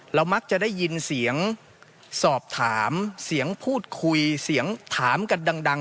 มักจะได้ยินเสียงสอบถามเสียงพูดคุยเสียงถามกันดัง